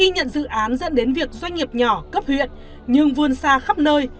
nhận dự án dẫn đến việc doanh nghiệp nhỏ cấp huyện nhưng vươn xa khắp nơi